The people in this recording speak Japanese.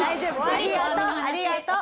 ありがとうありがとう。